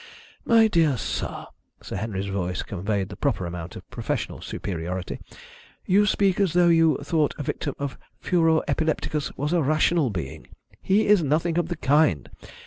"My dear sir" Sir Henry's voice conveyed the proper amount of professional superiority "you speak as though you thought a victim of furor epilepticus was a rational being. He is nothing of the kind.